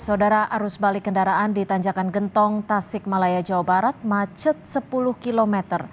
saudara arus balik kendaraan di tanjakan gentong tasik malaya jawa barat macet sepuluh km